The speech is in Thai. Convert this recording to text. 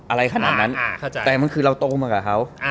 อะไรขนาดนั้นแต่มันคือเราโตมากับเขา